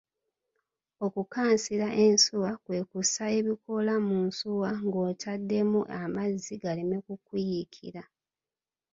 Okukansira ensuwa kwe kussa ebikoola mu nsuwa ng’otaddemu amazzi galeme ku kuyiikira.